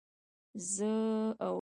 زه او ډاکټره بشرا هم ورښکته شولو.